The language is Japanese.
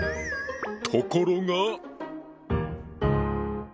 ところが。